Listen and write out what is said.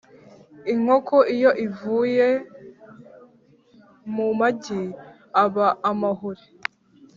Inkoko iyo ivuiye mu magi aba amahuri